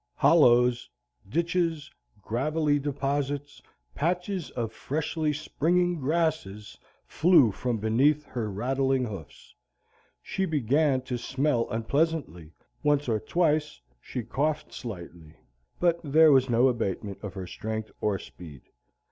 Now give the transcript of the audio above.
Hollows, ditches, gravelly deposits, patches of freshly springing grasses, flew from beneath her rattling hoofs. She began to smell unpleasantly, once or twice she coughed slightly, but there was no abatement of her strength or speed.